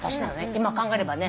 今考えればね。